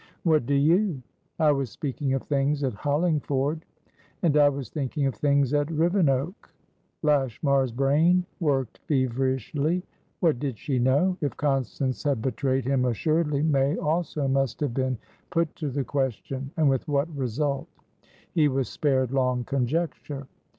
"What do you?" "I was speaking of things at Hollingford." "And I was thinking of things at Rivenoak." Lashmar's brain worked feverishly. What did she know? If Constance had betrayed him, assuredly May also must have been put to the question, and with what result? He was spared long conjecture.